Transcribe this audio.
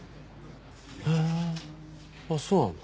へえあっそうなんだ。